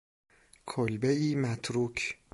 کلبهای متروک